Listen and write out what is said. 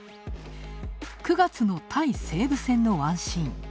９月の対西武戦のワンシーン。